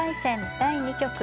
第２局。